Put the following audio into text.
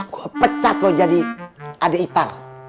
gue pecat lo jadi adik ipar